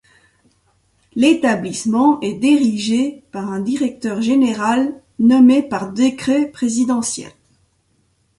L’établissement est dérigé par un directeur général nommé par décret présidentiel.